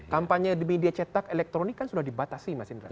kampanye di media cetak elektronik kan sudah dibatasi mas indra